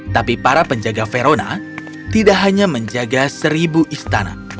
tapi para penjaga verona tidak hanya menjaga seribu istana